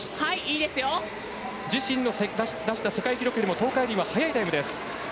自身の出した世界記録よりも東海林は速いタイムです。